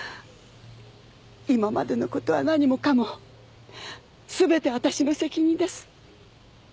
今までのことは何もかも全て私の責任です。